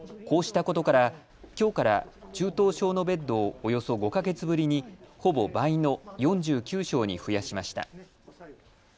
こうしたことからきょうから中等症のベッドをおよそ５か月ぶりに、ほぼ倍の４９床に増やしました。